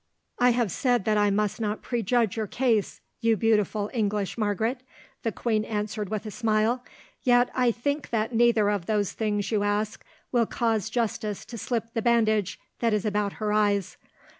"I have said that I must not prejudge your case, you beautiful English Margaret," the queen answered with a smile, "yet I think that neither of those things you ask will cause justice to slip the bandage that is about her eyes.